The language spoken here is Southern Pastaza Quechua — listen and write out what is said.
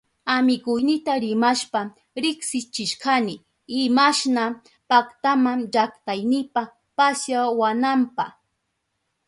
Amiguynita rimashpa riksichishkani imashna paktama llaktaynipa pasyawananpa.